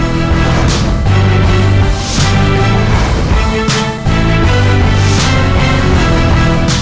โรงเรียนที่หนูรัก